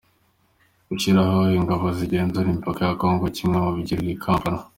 Gushyiraho ingabo zigenzura imipaka ya Congo, kimwe mu byigirwa i Kampala